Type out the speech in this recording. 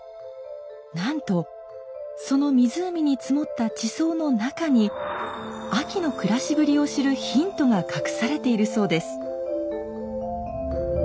なんとその湖に積もった地層の中にあきの暮らしぶりを知るヒントが隠されているそうです。